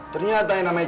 ternyata yang namanya